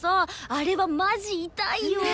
あれはマジ痛いよ！